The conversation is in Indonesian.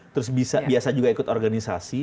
terus biasa juga ikut organisasi